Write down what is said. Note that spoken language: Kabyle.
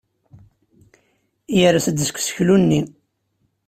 Yers-d seg useklu-nni.